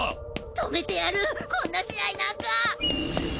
止めてやるこんな試合なんか！！